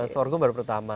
sorghum baru pertama